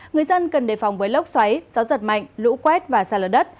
người dân cần đề phòng với lốc xoáy gió giật mạnh lũ quét và xa lở đất